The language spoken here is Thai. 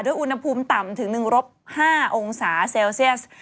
อุณหภูมิต่ำถึง๑๕องศาเซลเซียส